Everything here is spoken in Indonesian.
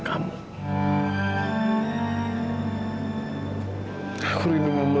sekarang aku rindu kamu mil